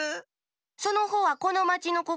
そのほうはこのまちのこか？